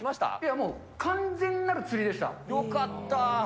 もう、完全なる釣りでしよかった！